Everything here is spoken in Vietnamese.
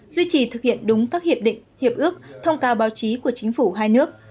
duy trì thực hiện đúng các hiệp định hiệp ước thông cáo báo chí của chính phủ hai nước